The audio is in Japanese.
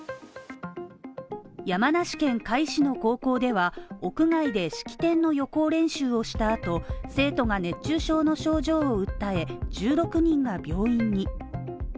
山梨県甲斐市の高校では、屋外で式典の予行練習をしたあと生徒が熱中症の症状を訴え、１６人が病院に。